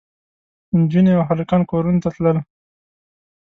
نجونې او هلکان کورونو ته تلل.